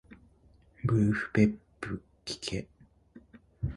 ブルフペックきけ